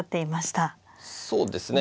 そうですね。